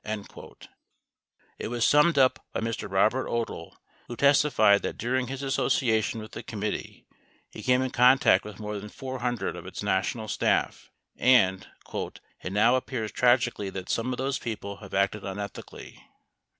29 It was summed up by Mr. Bobert Odle, wh o testified that during his association with the committee he came in contact with more than 400 of its national staff, and "it now appears tragically that some of those people have acted unethically."